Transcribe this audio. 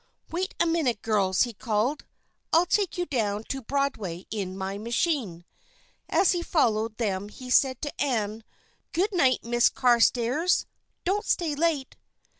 "Wait a minute, girls," he called; "I'll take you down to Broadway in my machine." As he followed them he said to Ann, "Good night, Miss Carstairs, don't stay late!"